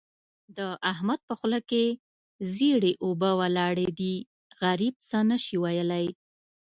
د احمد په خوله کې ژېړې اوبه ولاړې دي؛ غريب څه نه شي ويلای.